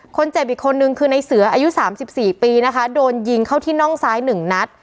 อีกคนนึงคือในเสืออายุ๓๔ปีนะคะโดนยิงเข้าที่น่องซ้าย๑นัด